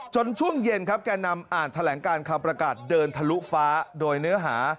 ช่วงเย็นครับแก่นำอ่านแถลงการคำประกาศเดินทะลุฟ้าโดยเนื้อหา